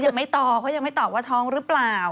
เขายังไม่ตอบว่าท้องหรือเปล่า